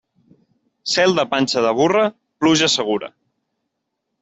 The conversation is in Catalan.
Cel de panxa de burra, pluja segura.